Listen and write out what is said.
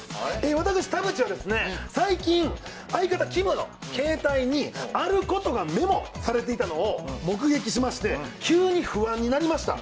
私田渕は最近、相方・きむの携帯にあることがメモされていたのを目撃しまして、急に不安になりました。